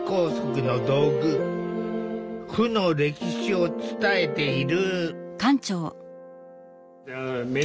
負の歴史を伝えている。